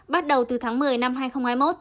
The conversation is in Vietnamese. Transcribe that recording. bắt đầu từ tháng một mươi năm hai nghìn hai mươi một